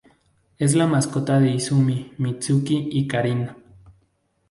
Es la mascota de Izumi, Mitsuki y Karin.